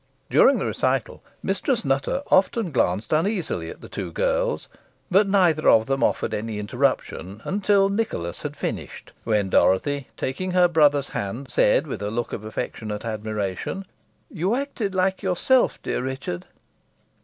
During the recital Mistress Nutter often glanced uneasily at the two girls, but neither of them offered any interruption until Nicholas had finished, when Dorothy, taking her brother's hand, said, with a look of affectionate admiration, "You acted like yourself, dear Richard."